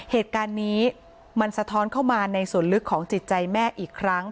เหตุการณ์นี้มันสะท้อนเข้ามาในส่วนลึกของจิตใจแม่อีกครั้ง